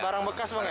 barang bekas bang ya